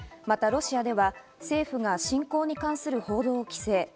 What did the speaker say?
またロシアでは政府が侵攻に関する報道を規制。